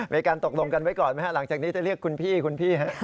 มีการตกลงกันไว้ก่อนไหมฮะหลังจากนี้จะเรียกคุณพี่คุณพี่